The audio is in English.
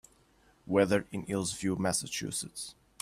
weather in Hillsview Massachusetts